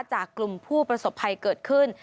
จากกลุ่มผู้ประสบภัยเกิดขึ้น